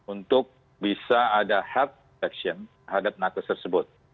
untuk bisa ada head action terhadap nakes tersebut